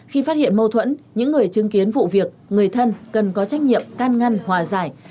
khi phát hiện mâu thuẫn những người chứng kiến vụ việc người thân cần có trách nhiệm can ngăn hòa giải